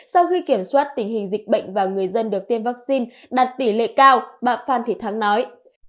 sau khi kiểm soát tình hình dịch bệnh và người dân được tiêm vaccine đạt tỷ lệ cao bà phan thị thắng nói